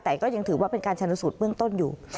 แต่ก็ยังถือว่าเป็นการชนสูตรเบื้องต้นอยู่